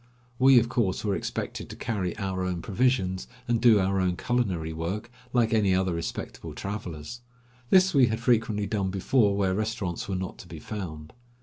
We, of course, were expected to carry our own provisions and do our own culinary work like any other respectable travelers. This we had frequently done before where restaurants were not to be found.